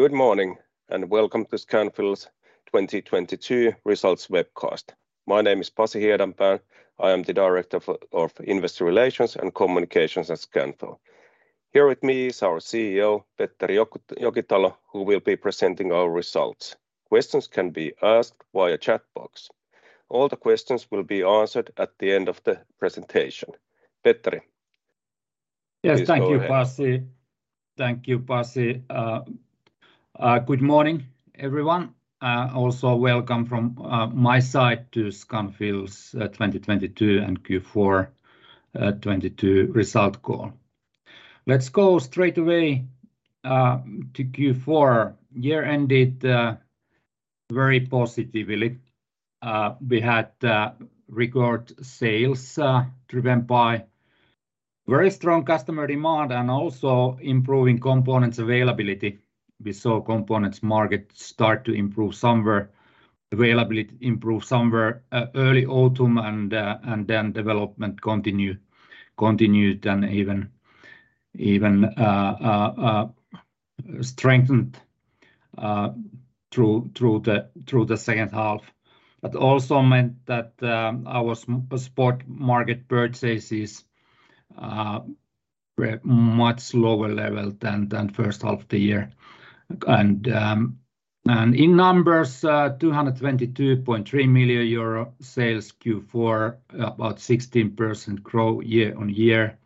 Good morning. Welcome to Scanfil's 2022 results webcast. My name is Pasi Hiedanpää. I am the Director of Investor Relations and Communications at Scanfil. Here with me is our CEO, Petteri Jokitalo, who will be presenting our results. Questions can be asked via chat box. All the questions will be answered at the end of the presentation. Petteri. Yes. Thank you, Pasi. Thank you, Pasi. Good morning, everyone. Also welcome from my side to Scanfil's 2022 and Q4 22 result call. Let's go straight away to Q4. Year ended very positively. We had record sales, driven by very strong customer demand and also improving components availability. Availability improve somewhere early autumn, and then development continued and even strengthened through the second half. Also meant that our spot market purchases were much lower level than first half of the year. In numbers, 222.3 million euro sales Q4. About 16% growth year-on-year.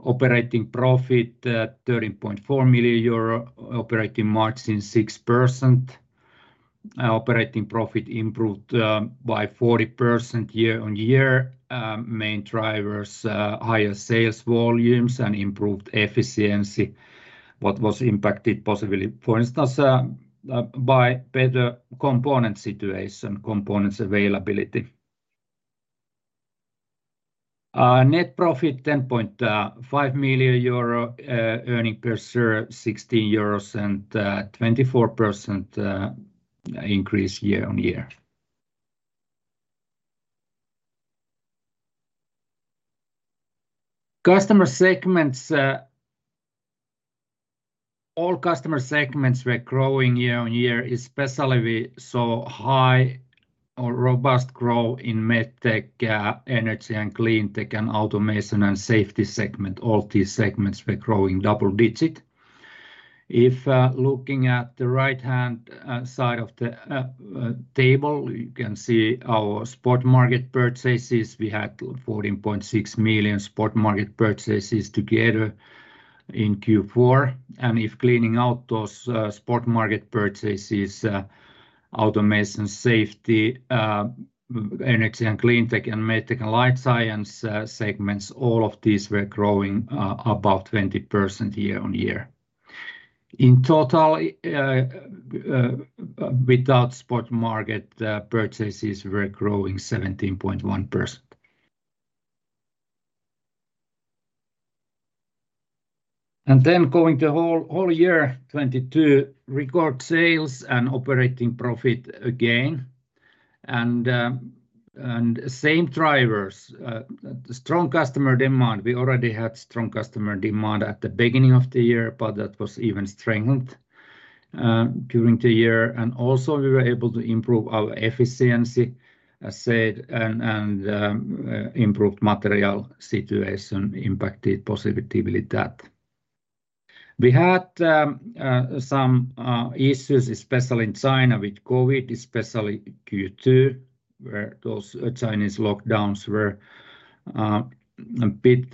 Operating profit, 13.4 million euro. Operating margin, 6%. Operating profit improved by 40% year-on-year. Main drivers, higher sales volumes and improved efficiency, what was impacted positively, for instance, by better component situation, components availability. Net profit 10.5 million euro. Earning per share 16 euros and 24% increase year-on-year. Customer segments. All customer segments were growing year-on-year, especially we saw high or robust growth in Medtech, Energy & Cleantech and Automation and Safety segment. All these segments were growing double digit. If looking at the right-hand side of the table, you can see our spot market purchases. We had 14.6 million spot market purchases together in Q4. If cleaning out those spot market purchases, Automation, Safety, Energy & Cleantech, and Medtech and Life Science segments, all of these were growing about 20% year-on-year. In total, without spot market purchases were growing 17.1%. Then going the whole year 2022, record sales and operating profit again. Same drivers. Strong customer demand. We already had strong customer demand at the beginning of the year, but that was even strengthened during the year. Also, we were able to improve our efficiency, as said, improved material situation impacted positively that. We had some issues, especially in China with COVID, especially Q2, where those Chinese lockdowns were a bit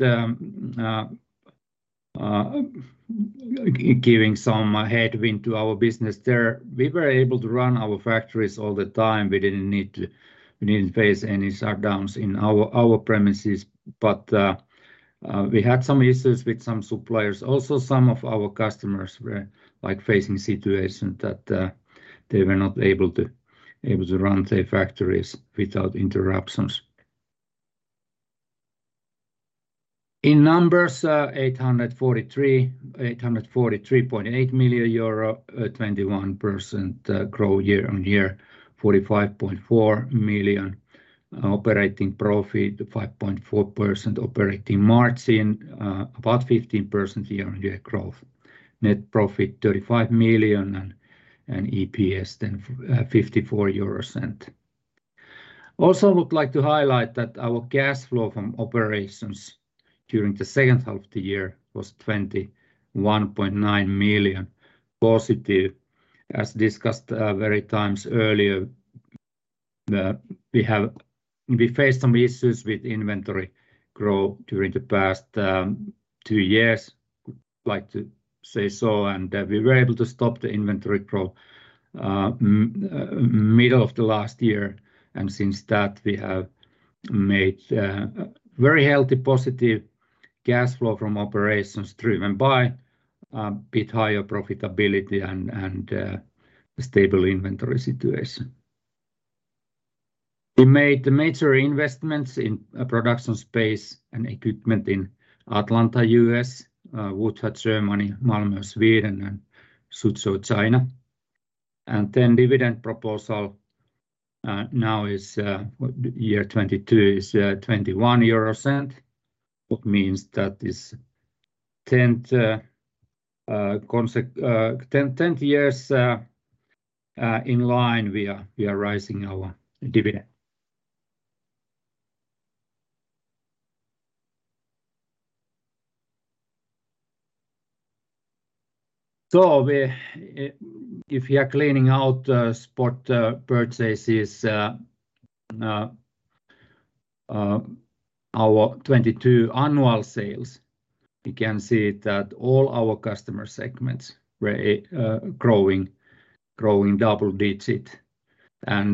giving some headwind to our business there. We were able to run our factories all the time. We didn't need to. We didn't face any shutdowns in our premises, but we had some issues with some suppliers. Also, some of our customers were, like, facing situations that they were not able to run their factories without interruptions. In numbers, 843.8 million euro 21% growth year-on-year. 45.4 million operating profit. 5.4% operating margin. About 15% year-on-year growth. Net profit 35 million and EPS 0.54. Also would like to highlight that our cash flow from operations during the second half of the year was 21.9 million positive. As discussed, many times earlier, the We faced some issues with inventory growth during the past, two years, like to say so. We were able to stop the inventory growth middle of the last year. Since that, we have made very healthy positive cash flow from operations driven by bit higher profitability and stable inventory situation. We made major investments in production space and equipment in Atlanta, U.S., Wutha, Germany, Malmö, Sweden, and Suzhou, China. Dividend proposal now is year 2022 is EUR 0.21, what means that is 10th, 10 years in line we are raising our dividend. We, if you are cleaning out spot purchases, our 2022 annual sales, you can see that all our customer segments were growing double-digit.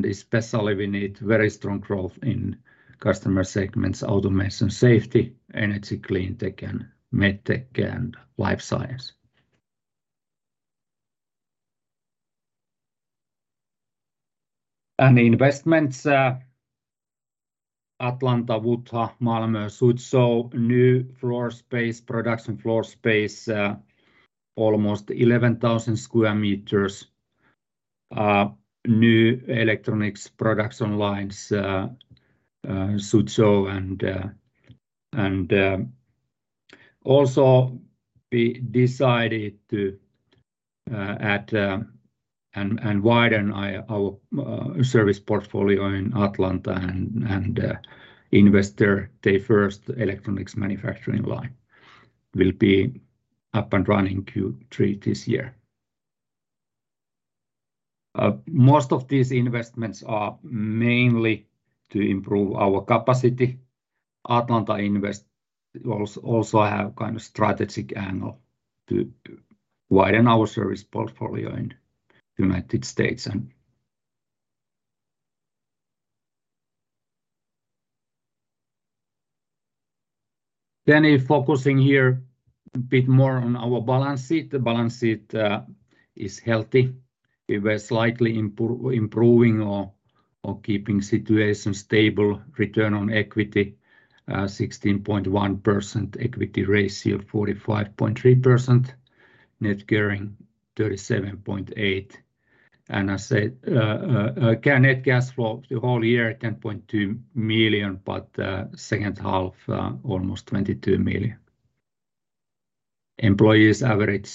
Especially we need very strong growth in customer segments, Automation and Safety, Energy & Cleantech, and Medtech and Life Science. Investments, Atlanta, Wutha, Malmö, Suzhou, new floor space, production floor space, almost 11,000 sqm. New electronics production lines, Suzhou. Also we decided to add and widen our service portfolio in Atlanta and invest their first electronics manufacturing line will be up and running Q3 this year. Most of these investments are mainly to improve our capacity. Atlanta invest also have kind of strategic angle to widen our service portfolio in United States and. If focusing here a bit more on our balance sheet. The balance sheet is healthy. We were slightly improving or keeping situation stable. Return on Equity 16.1%. Equity ratio 45.3%. Net gearing 37.8. I said net cash flow the whole year 10.2 million, but second half almost 22 million. Employees average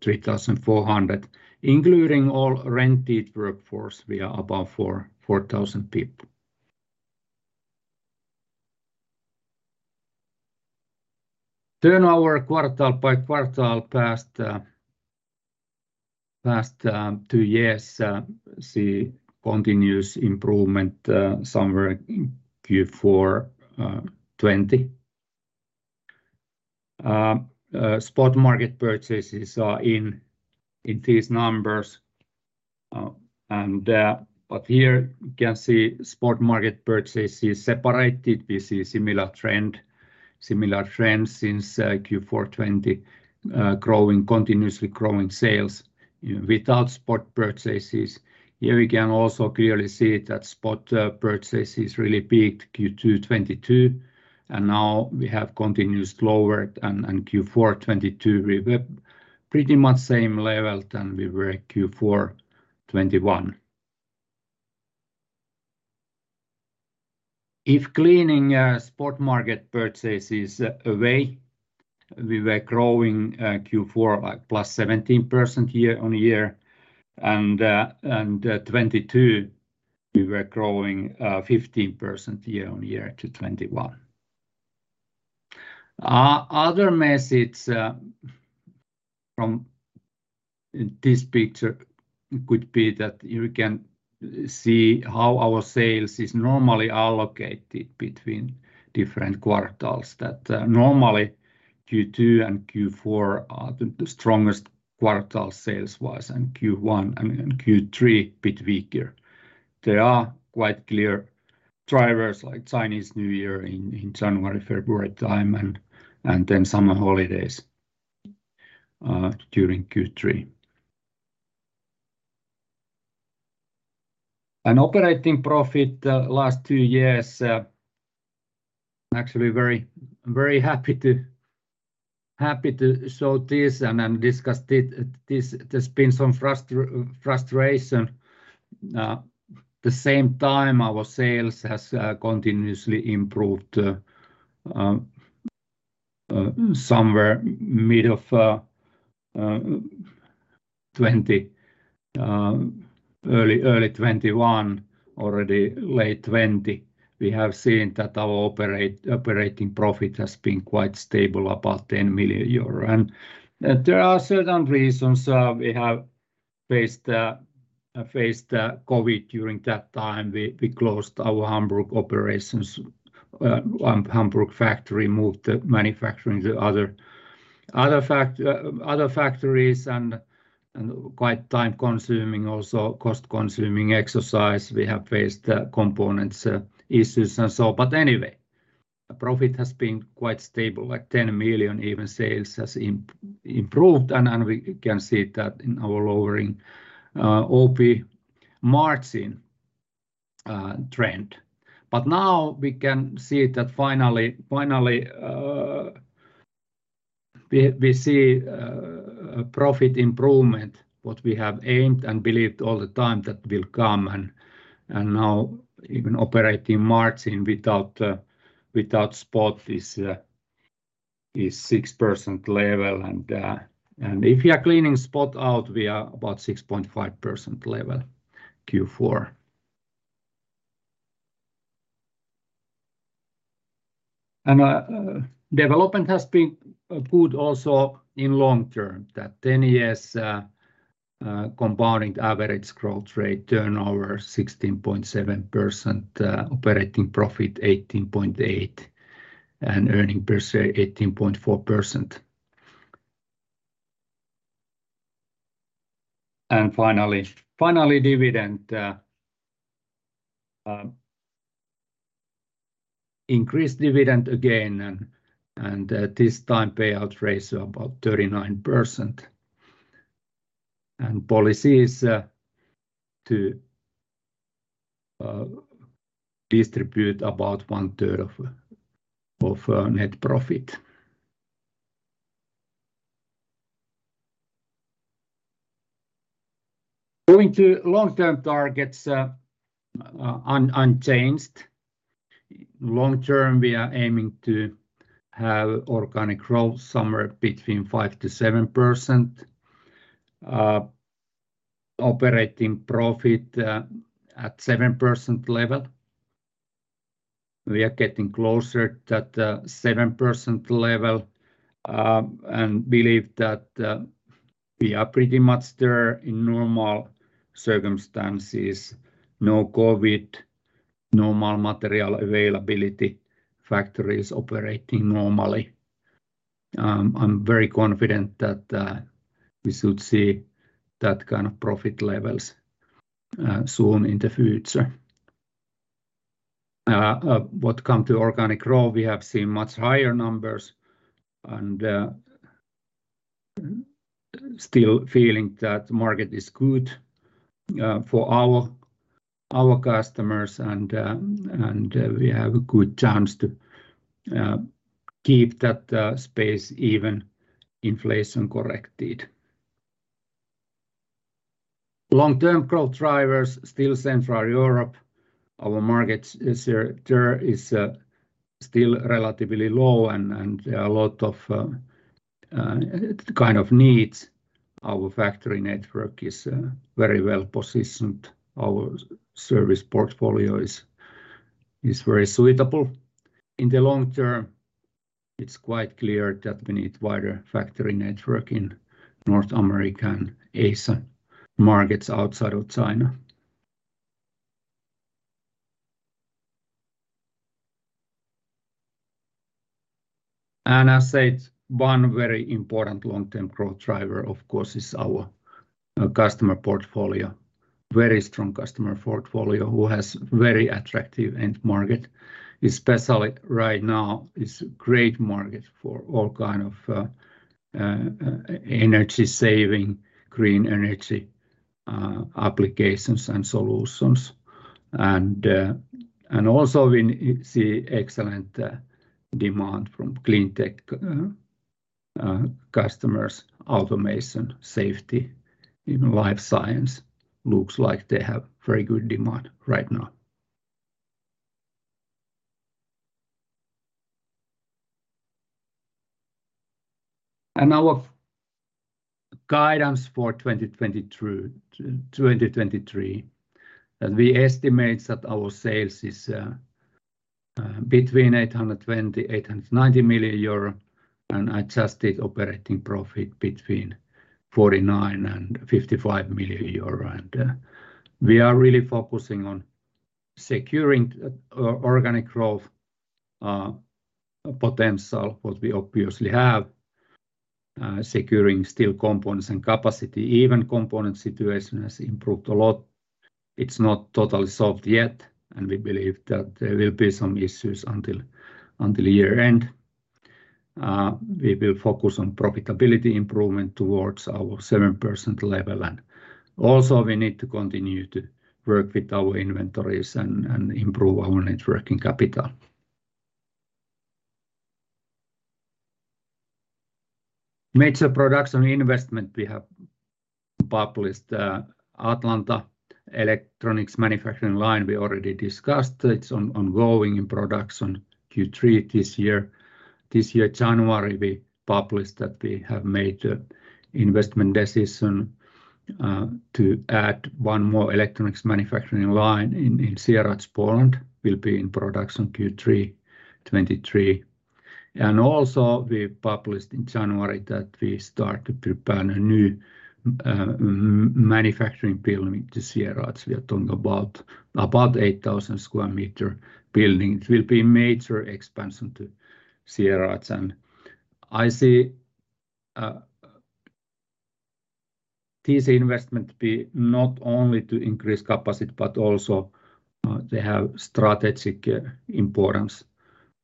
3,400, including all rented workforce, we are above 4,000 people. Turn our quarter-by-quarter past two years, see continuous improvement somewhere in Q4 2020. Spot market purchases are in these numbers. Here you can see Spot market purchases separated. We see similar trends since Q4 2020, growing continuously growing sales without spot purchases. Here we can also clearly see that spot purchases really peaked Q2 2022. Now we have continuous lowered and Q4 2022 we were pretty much same level than we were Q4 2021. If cleaning spot market purchases away, we were growing Q4 +17% year-on-year. 2022 we were growing 15% year-on-year to 2021. Other message from this picture could be that you can see how our sales is normally allocated between different quarters. That normally Q2 and Q4 are the strongest quarter sales wise, and Q1, I mean, and Q3 bit weaker. There are quite clear drivers like Chinese New Year in January, February time and then summer holidays during Q3. An operating profit, last two years, actually very happy to show this and discuss it. This been some frustration. The same time our sales has continuously improved somewhere mid of 2020, early 2021, already late 2020. We have seen that our operating profit has been quite stable, about 10 million euro. There are certain reasons we have faced COVID during that time. We closed our Hamburg operations, Hamburg factory, moved the manufacturing to other factories and quite time-consuming also cost-consuming exercise. We have faced components issues and so on. Anyway, the profit has been quite stable, like 10 million even sales has improved, and we can see that in our lowering OP margin trend. Now we can see that finally, We see a profit improvement what we have aimed and believed all the time that will come and now even operating margin without spot is 6% level. If you are cleaning spot out, we are about 6.5% level Q4. Development has been good also in long term. That 10 years compounding average growth rate turnover 16.7%, operating profit 18.8%, and earning per share 18.4%. Finally, dividend increased dividend again and this time Payout Ratio about 39%. Policy is to distribute about one third of net profit. Going to long-term targets, unchanged. Long-term, we are aiming to have organic growth somewhere between 5%-7%. Operating profit at 7% level. We are getting closer to that 7% level and believe that we are pretty much there in normal circumstances. No COVID, normal material availability, factories operating normally. I'm very confident that we should see that kind of profit levels soon in the future. What come to organic growth, we have seen much higher numbers and still feeling that market is good for our customers and we have a good chance to keep that space even inflation corrected. Long-term growth drivers, still Central Europe. Our market share there is still relatively low and a lot of kind of needs. Our factory network is very well-positioned. Our service portfolio is very suitable. In the long term, it's quite clear that we need wider factory network in North America and Asia, markets outside of China. I said one very important long-term growth driver, of course, is our customer portfolio. Very strong customer portfolio who has very attractive end market. Especially right now it's a great market for all kind of energy-saving, green energy applications and solutions. Also we see excellent demand from Clean Tech customers, automation, safety. Even Life Science looks like they have very good demand right now. Our guidance for 2022-2023, and we estimate that our sales is between 820 million and 890 million euro, an adjusted operating profit between 49 million and 55 million euro. We are really focusing on securing organic growth potential what we obviously have. Securing steel components and capacity. Component situation has improved a lot. It's not totally solved yet, and we believe that there will be some issues until year-end. We will focus on profitability improvement towards our 7% level. We need to continue to work with our inventories and improve our net working capital. Major production investment we have published, Atlanta electronics manufacturing line, we already discussed. It's on-ongoing in production Q3 this year. This year January, we published that we have made an investment decision, to add one more electronics manufacturing line in Sieradz, Poland, will be in production Q3 2023. We published in January that we start to plan a new manufacturing building to Sieradz. We are talking about 8,000 square meter building. It will be major expansion to Sieradz. I see this investment be not only to increase capacity, but also, they have strategic importance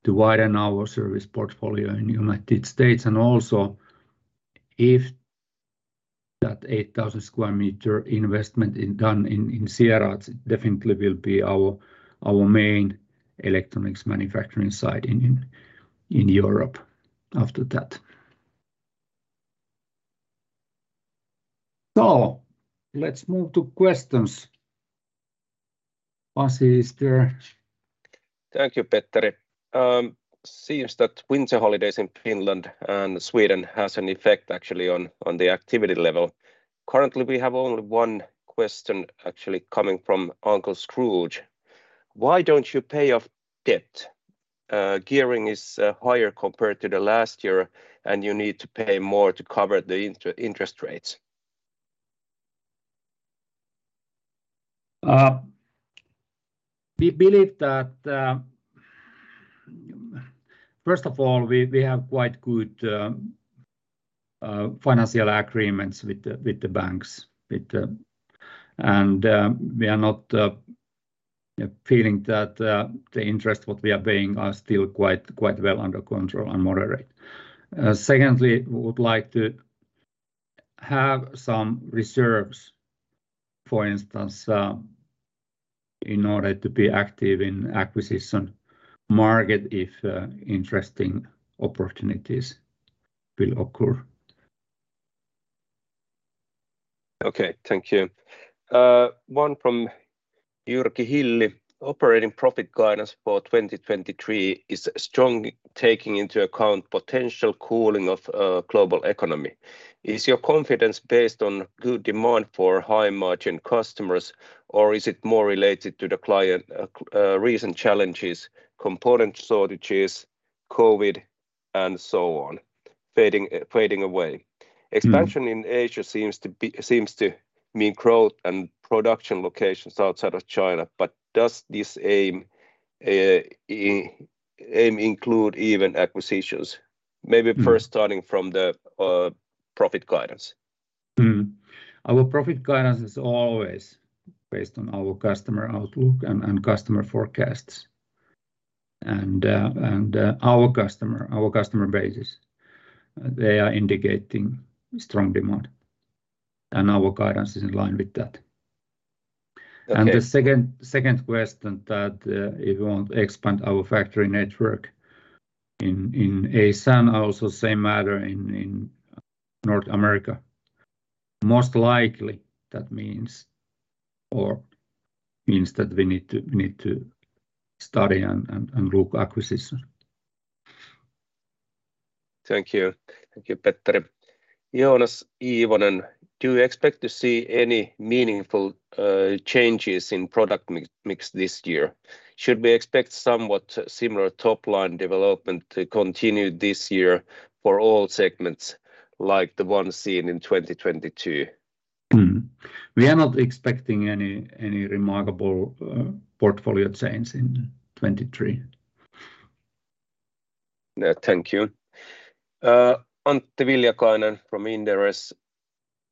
to widen our service portfolio in United States. Also that 8,000 square meter investment done in Sieradz definitely will be our main electronics manufacturing site in Europe after that. Let's move to questions. Pasi, is there? Thank you, Petteri. Seems that winter holidays in Finland and Sweden has an effect actually on the activity level. Currently we have only one question actually coming from Uncle Scrooge. Why don't you pay off debt? Gearing is higher compared to the last year, and you need to pay more to cover the interest rates? We believe that, first of all, we have quite good financial agreements with the banks. We are not feeling that, the interest what we are paying are still quite well under control and moderate. Secondly, we would like to have some reserves, for instance, in order to be active in acquisition market if interesting opportunities will occur. Okay. Thank you. One from Jyrki Hilli. Operating profit guidance for 2023 is strongly taking into account potential cooling of global economy. Is your confidence based on good demand for high-margin customers, or is it more related to the client, recent challenges, component shortages, COVID, and so on fading away? Expansion in Asia seems to mean growth and production locations outside of China, but does this aim include even acquisitions? Maybe first starting from the profit guidance. Our profit guidance is always based on our customer outlook and customer forecasts. Our customer bases, they are indicating strong demand, and our guidance is in line with that. Okay. The second question that, if we want to expand our factory network in ASEAN, also same matter in North America. Most likely that means that we need to study and look acquisition. Thank you. Thank you, Petteri. Joonas Ilvonen. Do you expect to see any meaningful changes in product mix this year? Should we expect somewhat similar top-line development to continue this year for all segments like the one seen in 2022? We are not expecting any remarkable portfolio change in 2023. Yeah. Thank you. Antti Viljakainen from Inderes.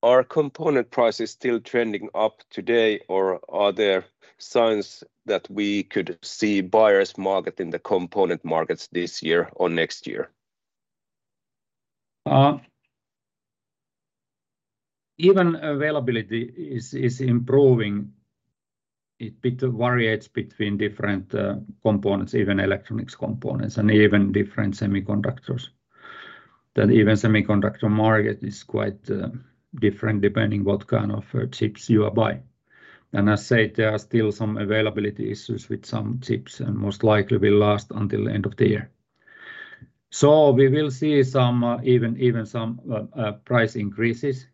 Are component prices still trending up today, or are there signs that we could see buyers market in the component markets this year or next year? Even availability is improving. It bit variates between different components, even electronics components and even different semiconductors. Even semiconductor market is quite different depending what kind of chips you are buying. I said there are still some availability issues with some chips and most likely will last until end of the year. We will see some even some price increases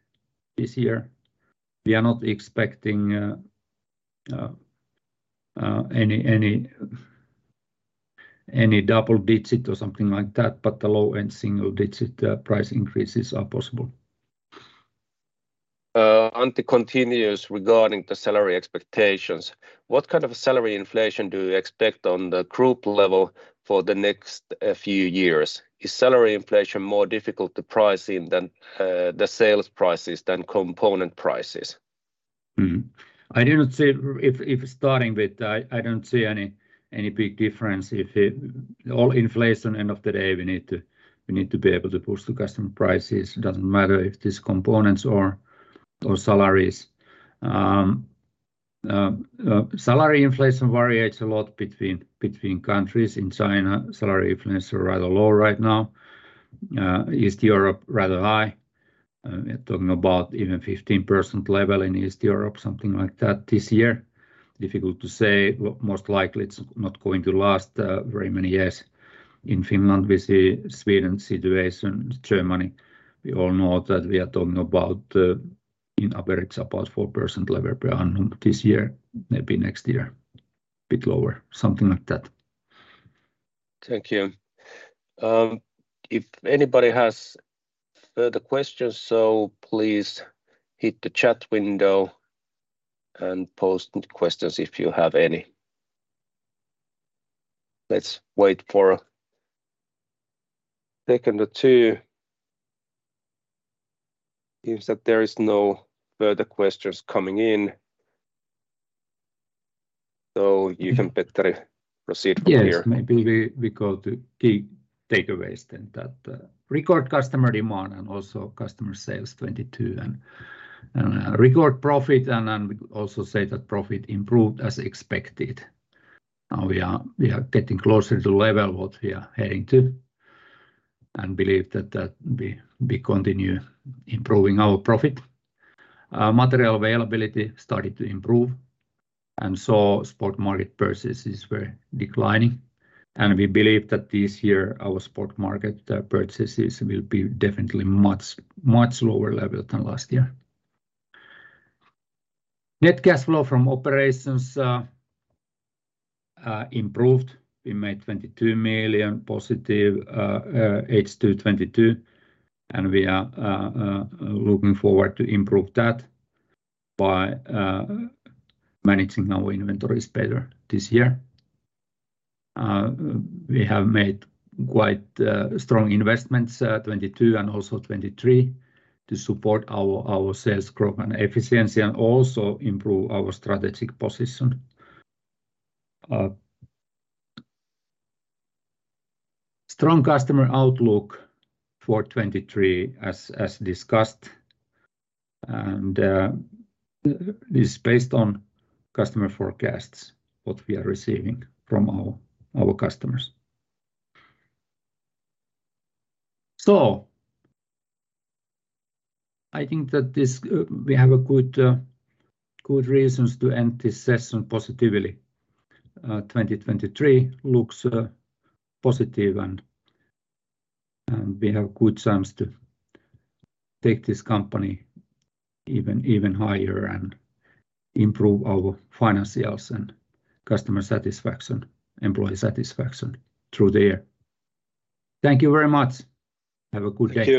this year. We are not expecting any double-digit or something like that, but the low and single-digit price increases are possible. Antti continues regarding the salary expectations. What kind of salary inflation do you expect on the group level for the next few years? Is salary inflation more difficult to price in than the sales prices than component prices? Starting with I don't see any big difference. All inflation, end of the day, we need to be able to push the customer prices. It doesn't matter if these components or salaries. Salary inflation varies a lot between countries. In China, salary inflation is rather low right now. East Europe, rather high. We are talking about even 15% level in East Europe, something like that this year. Difficult to say. Well, most likely it's not going to last very many years. In Finland, we see Sweden situation. Germany, we all know that we are talking about, in average about 4% level per annum this year, maybe next year a bit lower, something like that. Thank you. If anybody has further questions, so please hit the chat window and post questions if you have any. Let's wait for a second or two. Seems that there is no further questions coming in. You can, Petteri, proceed from here. Yes. Maybe we go to key takeaways then that record customer demand and also customer sales 2022 and record profit. We also say that profit improved as expected. Now we are getting closer to level what we are heading to and believe that we continue improving our profit. Material availability started to improve and so spot market purchases were declining. We believe that this year our spot market purchases will be definitely much lower level than last year. Net cash flow from operations improved. We made 22 million positive H2 2022. We are looking forward to improve that by managing our inventories better this year. We have made quite strong investments 2022 and also 2023 to support our sales growth and efficiency and also improve our strategic position. Strong customer outlook for 2023 as discussed. This is based on customer forecasts, what we are receiving from our customers. I think that we have good reasons to end this session positively. 2023 looks positive and we have good chance to take this company even higher and improve our financials and customer satisfaction, employee satisfaction through the year. Thank you very much. Have a good day.